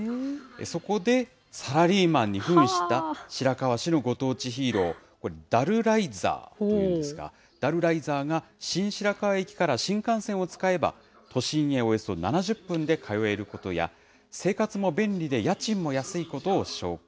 そこで、サラリーマンにふんした白河市のご当地ヒーロー、これ、ダルライザーと言うんですが、ダルライザーが新白河駅から新幹線を使えば、都心へおよそ７０分で通えることや、生活も便利で、家賃も安いことを紹介。